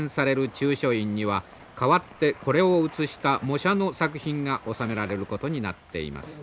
中書院には代わってこれを写した模写の作品が納められることになっています。